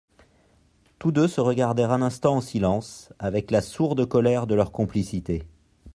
Tous deux se regardèrent un instant en silence, avec la sourde colère de leur complicité.